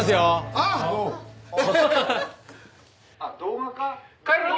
「あっ動画。